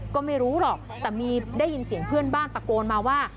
ก็ไม่รู้หรอกแต่มีได้ยินเสียงเพื่อนบ้านตะโกนมาว่า